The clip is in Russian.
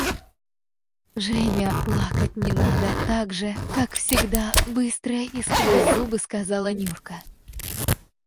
– Женя, плакать не надо! – так же, как всегда, быстро и сквозь зубы сказала Нюрка.